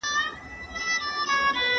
زه هر ماښام لږ قدم وهل خوښوم.